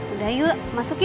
udah yuk masuk yuk